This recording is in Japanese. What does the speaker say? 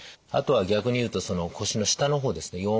あとは逆に言うと腰の下の方ですね